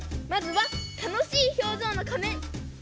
まずは楽しい表情の仮面